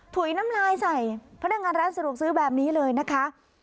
ถุยน้ำลายใส่พนักงานร้านสะดวกซื้อแบบนี้เลยนะคะ